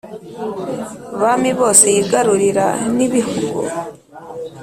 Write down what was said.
Bami bose yigarurira n ibihugu